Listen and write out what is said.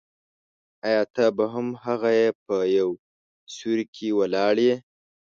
آیا ته به هم هغه یې په یو سیوري کې ولاړ یې.